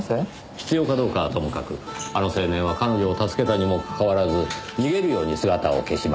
必要かどうかはともかくあの青年は彼女を助けたにもかかわらず逃げるように姿を消しました。